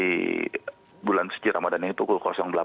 hari bulan suci ramadhan ini pukul delapan